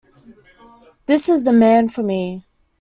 This is the man for me.